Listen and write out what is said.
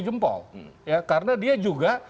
jempol karena dia juga